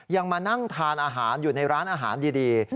มานั่งทานอาหารอยู่ในร้านอาหารดี